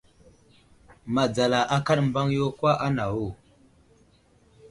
Madzala akaɗ mbaŋ yo kwa anawo.